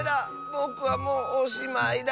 ぼくはもうおしまいだ。